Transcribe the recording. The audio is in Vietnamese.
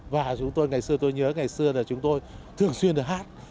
và ngày xưa tôi nhớ ngày xưa là chúng tôi thường xuyên được hát